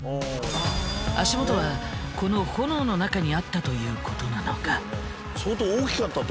足元はこの炎の中にあったということなのか？